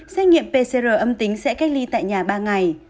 xét nghiệm pcr âm tính sẽ cách ly tại nhà ba ngày